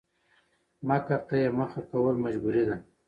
مکر ته يې مخه کول مجبوري ده؛